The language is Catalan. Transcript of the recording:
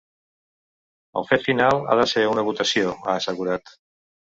El fet final ha de ser una votació, ha assegurat.